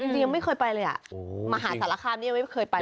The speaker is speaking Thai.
ยังไม่เคยไปเลยมหาสารคามนี่ยังไม่เคยไป